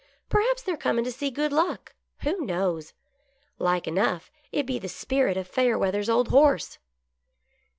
Perhaps they're cornin' to see Good Luck — who knows ? Like enough it be the spirit of Fayerweatlier's old horse."